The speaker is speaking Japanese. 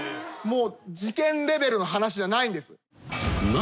事件レベルの話じゃないんです。